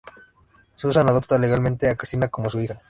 Susan adopta legalmente a Christina como su hija.